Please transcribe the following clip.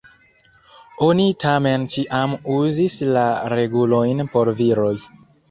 Oni tamen ĉiam uzis la regulojn por viroj.